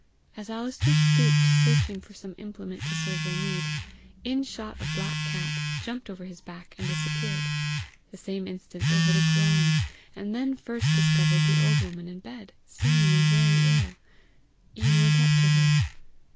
As Alister stooped searching for some implement to serve their need, in shot a black cat, jumped over his back, and disappeared. The same instant they heard a groan, and then first discovered the old woman in bed, seemingly very ill. Ian went up to her.